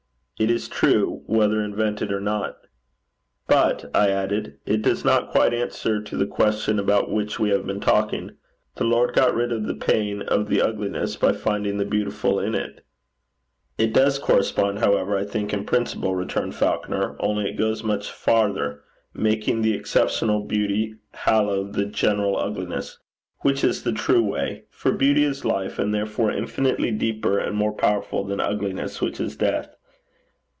It is true, whether invented or not. But,' I added, 'it does not quite answer to the question about which we have been talking. The Lord got rid of the pain of the ugliness by finding the beautiful in it.' 'It does correspond, however, I think, in principle,' returned Falconer; 'only it goes much farther, making the exceptional beauty hallow the general ugliness which is the true way, for beauty is life, and therefore infinitely deeper and more powerful than ugliness which is death.